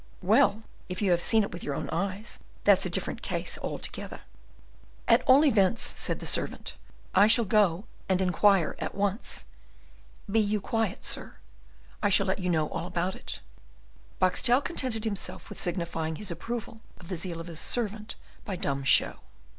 "Well, if you have seen it with your own eyes, that's a different case altogether." "At all events," said the servant, "I shall go and inquire once more. Be you quiet, sir, I shall let you know all about it." Boxtel contented himself with signifying his approval of the zeal of his servant by dumb show.